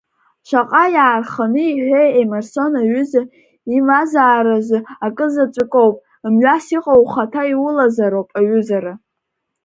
Шаҟа иаарханы иҳәеи Емерсон аҩыза имазааразы акызаҵәыкоуп мҩас иҟоу ухаҭа иулазароуп аҩызара.